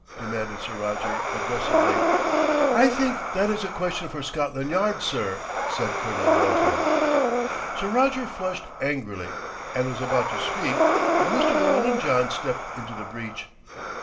demanded Sir Roger aggressively. "I think that is a question for Scotland Yard, sir," said Colonel Walton. Sir Roger flushed angrily, and was about to speak when Mr. Llewellyn John stepped into the breach.